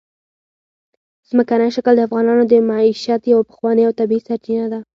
ځمکنی شکل د افغانانو د معیشت یوه پخوانۍ او طبیعي سرچینه ده.